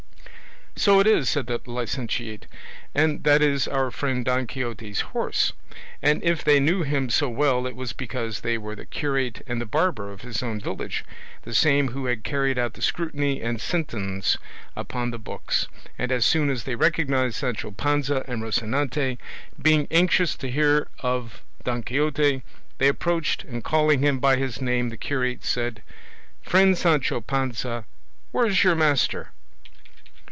"So it is," said the licentiate, "and that is our friend Don Quixote's horse;" and if they knew him so well it was because they were the curate and the barber of his own village, the same who had carried out the scrutiny and sentence upon the books; and as soon as they recognised Sancho Panza and Rocinante, being anxious to hear of Don Quixote, they approached, and calling him by his name the curate said, "Friend Sancho Panza, where is your master?"